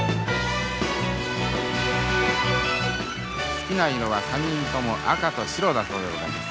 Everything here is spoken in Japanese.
好きな色は３人とも赤と白だそうでございます。